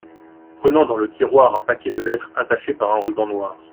Prenant dans le tiroir un paquet de lettres attachées par un ruban noir.